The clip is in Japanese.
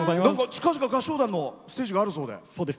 近々、合唱団のステージがあるそうで。